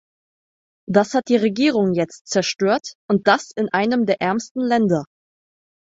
Das hat die Regierung jetzt zerstört, und das in einem der ärmsten Länder!